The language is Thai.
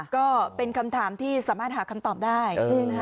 ก็เป็นคำถามที่สามารถหาคำตอบได้